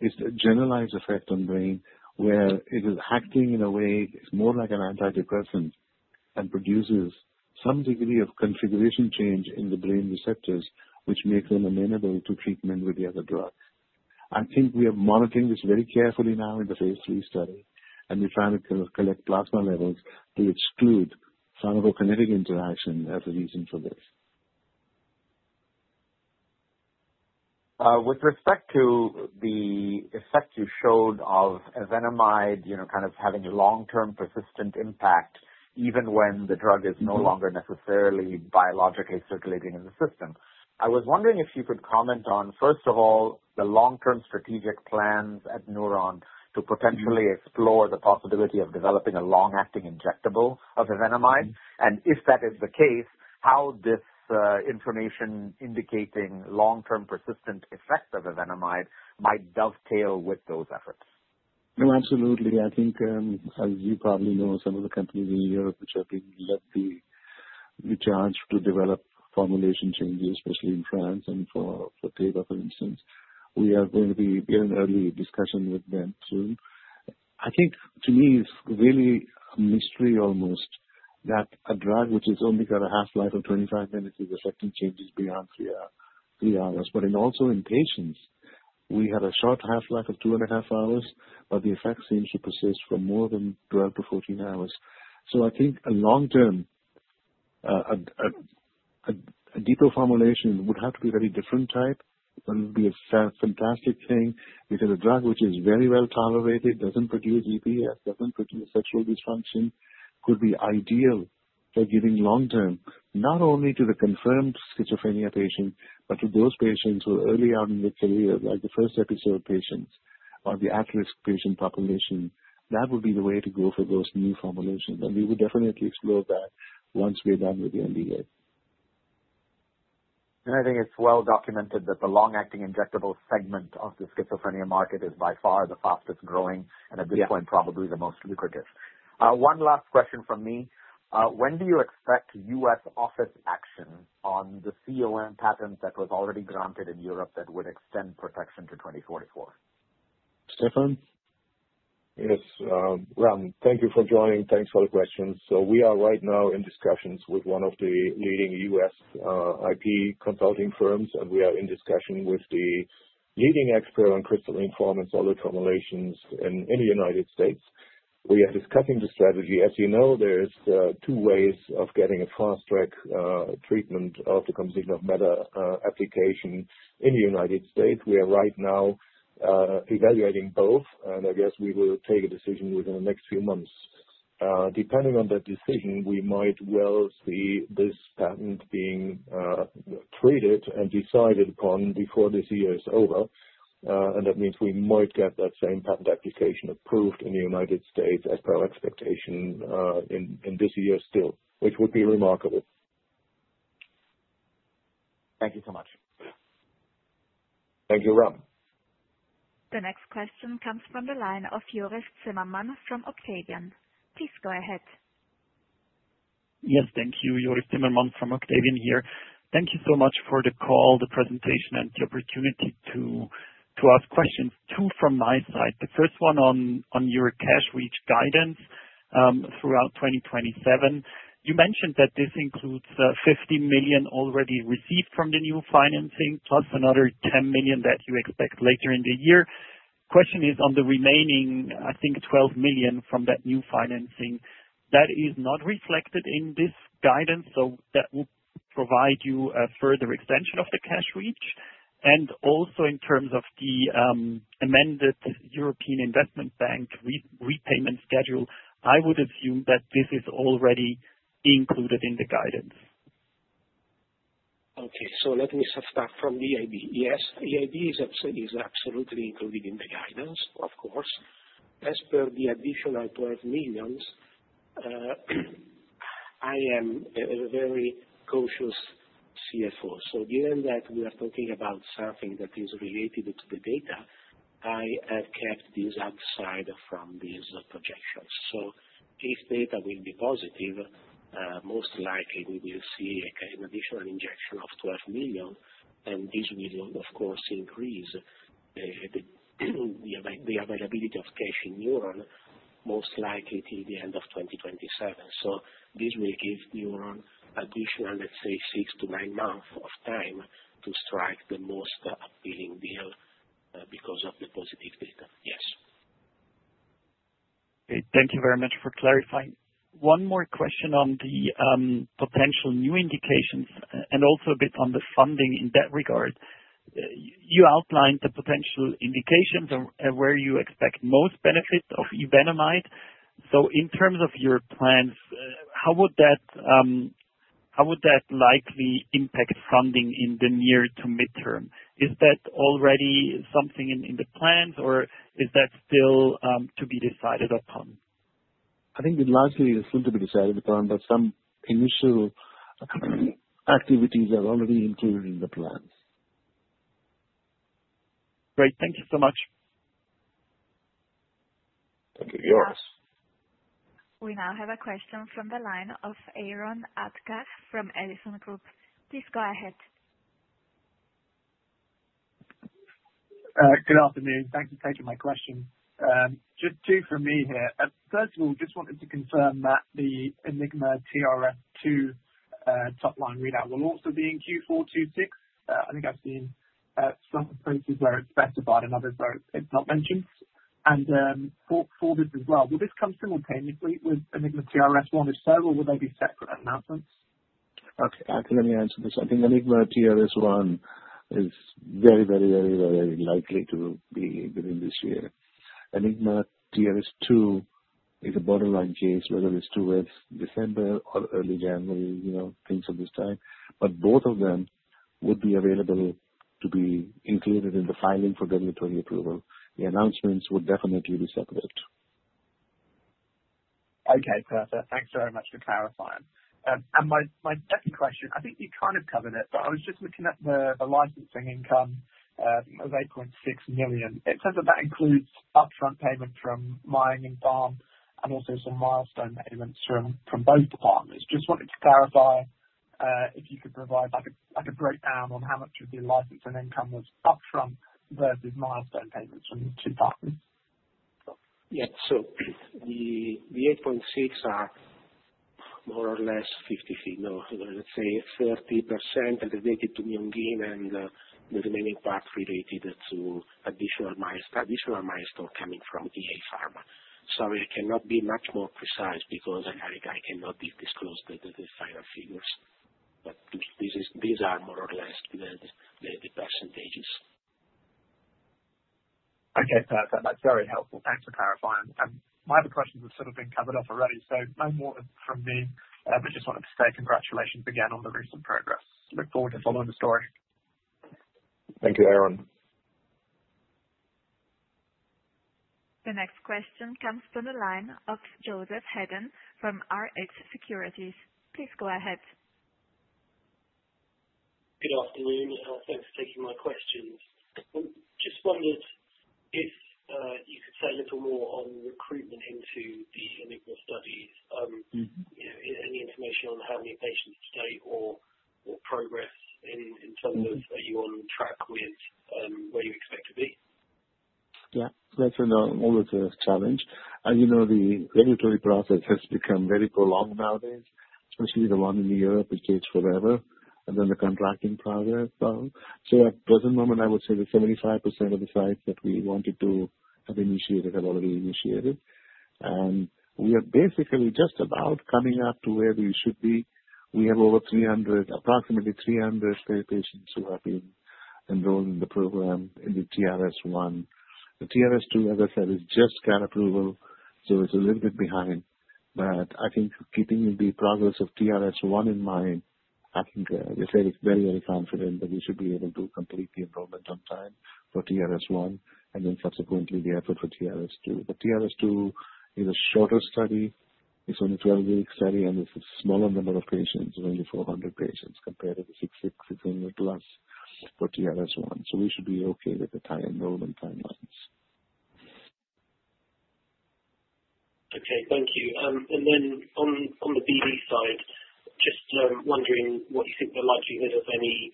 It's a generalized effect on brain, where it is acting in a way that's more like an antidepressant and produces some degree of conformational change in the brain receptors, which makes them amenable to treatment with the other drugs. I think we are monitoring this very carefully now in the phase III study, we're trying to collect plasma levels to exclude pharmacokinetic interaction as a reason for this. With respect to the effect you showed of evenamide kind of having a long-term persistent impact, even when the drug is no longer necessarily biologically circulating in the system. I was wondering if you could comment on, first of all, the long-term strategic plans at Newron Pharmaceuticals to potentially explore the possibility of developing a long-acting injectable of evenamide. If that is the case, how this information indicating long-term persistent effect of evenamide might dovetail with those efforts. No, absolutely. I think, as you probably know, some of the companies in Europe which have been left the chance to develop formulation changes, especially in France and for pediatrics, for instance, we are going to be in early discussion with them soon. I think to me, it's really a mystery almost that a drug which has only got a half-life of 25 minutes is affecting changes beyond 3 hours. In also in patients, we had a short half-life of 2.5 hours, but the effects seem to persist for more than 12-14 hours. I think a long-term, a depot formulation would have to be very different type, would be a fantastic thing because a drug which is very well-tolerated, doesn't produce EPS, doesn't produce sexual dysfunction, could be ideal for giving long-term, not only to the confirmed schizophrenia patient, but to those patients who are early on in their career, like the first-episode patients or the at-risk patient population. That would be the way to go for those new formulations, and we would definitely explore that once we're done with the NDA. I think it's well documented that the long-acting injectable segment of the schizophrenia market is by far the fastest-growing and at this point, probably the most lucrative. One last question from me. When do you expect U.S. office action on the composition of matter patent that was already granted in Europe that would extend protection to 2044? Stefan? Yes, Ram, thank you for joining. Thanks for the questions. We are right now in discussions with one of the leading U.S. IP consulting firms, and we are in discussion with the leading expert on crystalline form and solid formulations in the United States. We are discussing the strategy. As you know, there's two ways of getting a fast-track treatment of the composition of matter application in the United States. We are right now evaluating both, and I guess we will take a decision within the next few months. Depending on that decision, we might well see this patent being traded and decided upon before this year is over. That means we might get that same patent application approved in the United States as per our expectation in this year still, which would be remarkable. Thank you so much. Thank you, Ram. The next question comes from the line of Joris Timmermans from Octavian. Please go ahead. Yes, thank you. Joris Timmermans from Octavian here. Thank you so much for the call, the presentation, and the opportunity to ask questions too from my side. The first one on your cash reach guidance, throughout 2027. You mentioned that this includes 50 million already received from the new financing, plus another 10 million that you expect later in the year. Question is on the remaining, I think 12 million from that new financing. That is not reflected in this guidance, that will provide you a further extension of the cash reach. Also in terms of the amended European Investment Bank repayment schedule, I would assume that this is already included in the guidance. Okay. Let me start from the EIB. Yes, the EIB is absolutely included in the guidance, of course. As per the additional 12 million, I am a very cautious CFO. Given that we are talking about something that is related to the data, I have kept this outside from these projections. If data will be positive, most likely we will see an additional injection of 12 million, and this will, of course, increase the availability of cash in Newron, most likely till the end of 2027. This will give Newron additional, let's say, six to nine months of time to strike the most appealing deal because of the positive data. Yes. Okay. Thank you very much for clarifying. One more question on the potential new indications and also a bit on the funding in that regard. You outlined the potential indications and where you expect most benefits of evenamide. In terms of your plans, how would that likely impact funding in the near to midterm? Is that already something in the plans or is that still to be decided upon? I think it largely is still to be decided upon, but some initial activities are already included in the plans. Great. Thank you so much. Thank you. Joris. We now have a question from the line of Aaron Adcock from Edison Group. Please go ahead. Good afternoon. Thanks for taking my question. Just two from me here. First of all, just wanted to confirm that the ENIGMA-TRS-2 top-line readout will also be in Q4 2026. I think I've seen some approaches where it's specified and others where it's not mentioned. For this as well, will this come simultaneously with ENIGMA-TRS-1 if so, or will they be separate announcements? Okay. Actually, let me answer this. I think ENIGMA-TRS 1 is very likely to be within this year. ENIGMA-TRS 2 is a borderline case, whether it is towards December or early January, things of this time. Both of them would be available to be included in the filing for regulatory approval. The announcements would definitely be separate. Okay, perfect. Thanks very much for clarifying. My second question, I think you kind of covered it, I was just looking at the licensing income of 8.6 million. It says that that includes upfront payment from Myung In Pharm and also some milestone payments from both partners. Just wanted to clarify, if you could provide a breakdown on how much of your licensing income was upfront versus milestone payments from the two partners. Yeah. The 8.6 are more or less 50%, let's say 40% are related to Myung In Pharm and the remaining part related to additional milestone coming from EA Pharma. I cannot be much more precise because I cannot disclose the final figures. These are more or less the percentages. Okay, perfect. That's very helpful. Thanks for clarifying. My other questions have sort of been covered off already, no more from me. I just wanted to say congratulations again on the recent progress. Look forward to following the story. Thank you, Aaron. The next question comes from the line of Joseph Hedden from Rx Securities. Please go ahead. Good afternoon. Thanks for taking my questions. Just wondered if you could say a little more on recruitment into the clinical studies. Any information on how many patients to date or progress in terms. -of are you on track with where you expect to be? Yeah. That's always a challenge. As you know, the regulatory process has become very prolonged nowadays, especially the one in Europe, it takes forever, then the contracting process. At present moment, I would say that 75% of the sites that we wanted to have initiated have already initiated. We are basically just about coming up to where we should be. We have approximately 300 study patients who have been enrolled in the program in the TRS1. The TRS2, as I said, has just got approval, so it's a little bit behind. I think keeping the progress of TRS1 in mind, I think we feel very confident that we should be able to complete the enrollment on time for TRS1 and then subsequently therefore for TRS2. The TRS2 is a shorter study. It's only a 12-week study, and it's a smaller number of patients, only 400 patients compared to the 600 plus for TRS1. We should be okay with the time enrollment timelines. Okay, thank you. Then on the BD side, just wondering what you think the likelihood of any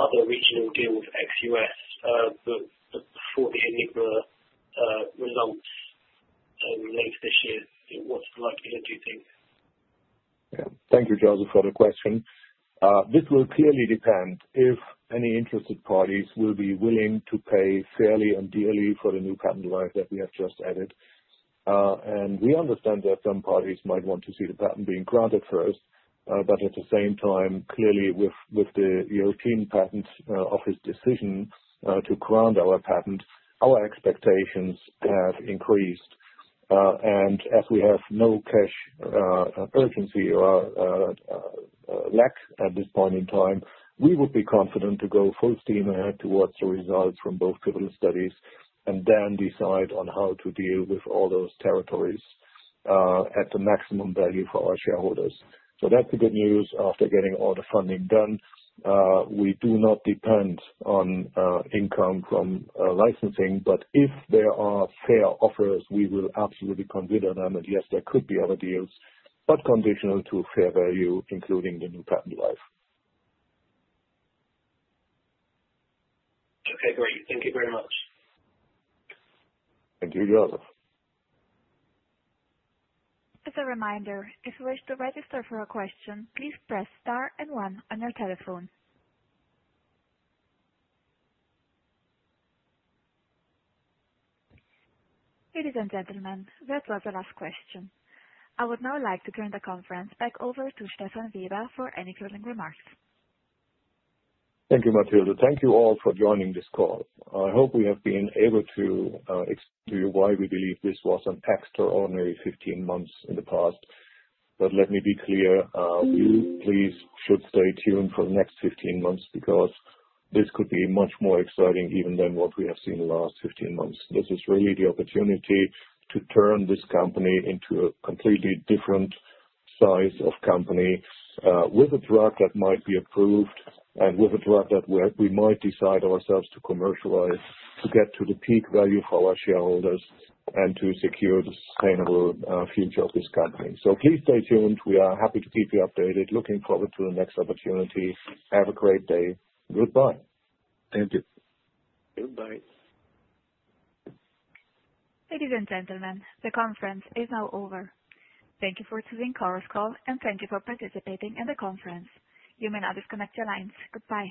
other regional deals ex-US before the ENIGMA results later this year. What's the likelihood, do you think? Thank you, Joseph, for the question. This will clearly depend if any interested parties will be willing to pay fairly and dearly for the new patent life that we have just added. We understand that some parties might want to see the patent being granted first. At the same time, clearly with the European Patent Office decision to grant our patent, our expectations have increased. As we have no cash urgency or lack at this point in time, we would be confident to go full steam ahead towards the results from both clinical studies and then decide on how to deal with all those territories at the maximum value for our shareholders. That's the good news after getting all the funding done. We do not depend on income from licensing, if there are fair offers, we will absolutely consider them. Yes, there could be other deals, conditional to fair value, including the new patent life. Okay, great. Thank you very much. Thank you, Joseph. As a reminder, if you wish to register for a question, please press star 1 on your telephone. Ladies and gentlemen, that was the last question. I would now like to turn the conference back over to Stefan Weber for any closing remarks. Thank you, Matilda. Thank you all for joining this call. I hope we have been able to explain to you why we believe this was an extraordinary 15 months in the past, let me be clear. You, please, should stay tuned for the next 15 months because this could be much more exciting even than what we have seen in the last 15 months. This is really the opportunity to turn this company into a completely different size of company with a drug that might be approved and with a drug that we might decide ourselves to commercialize to get to the peak value for our shareholders and to secure the sustainable future of this company. Please stay tuned. We are happy to keep you updated. Looking forward to the next opportunity. Have a great day. Goodbye. Thank you. Goodbye. Ladies and gentlemen, the conference is now over. Thank you for choosing Chorus Call, and thank you for participating in the conference. You may now disconnect your lines. Goodbye.